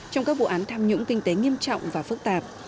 trong các vụ án tham nhũng kinh tế nghiêm trọng và phức tạp